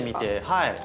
はい。